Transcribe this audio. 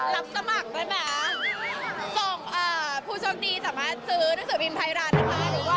รับสมัครได้ไหม